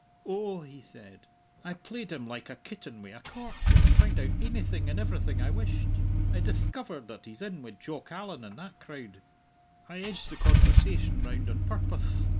"Oh," he said, "I played him like a kitten wi' a cork, and found out ainything and everything I wished. I dithcovered that he's in wi' Jock Allan and that crowd I edged the conversation round on purpoth!